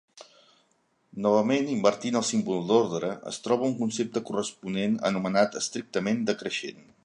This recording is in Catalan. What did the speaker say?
Novament, invertint el símbol d'ordre, es troba un concepte corresponent anomenat estrictament decreixent.